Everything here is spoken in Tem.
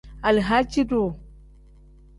Alahaaci-duu.